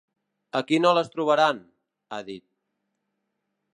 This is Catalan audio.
Aquí no les trobaran, ha dit.